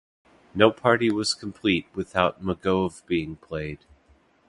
No party was complete without "Mugove" being played.